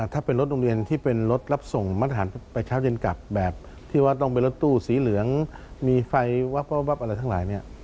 ถ้าเป็นรถโรงเรียนที่เป็นรถรับส่งมาตรฐานไปเช้าเย็นกลับแบบที่ว่าต้องเป็นรถตู้สีเหลืองมีไฟวับอะไรทั้งหลายเนี่ย